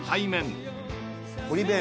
堀弁。